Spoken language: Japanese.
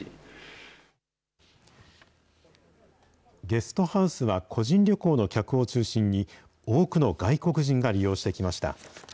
ゲストハウスは個人旅行の客を中心に、多くの外国人が利用してきました。